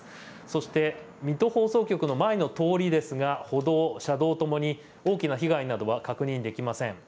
そして水戸放送局の前の通りですが歩道、車道ともに大きな被害などは確認できません。